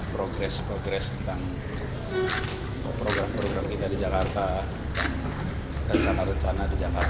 progres progres tentang program program kita di jakarta rencana rencana di jakarta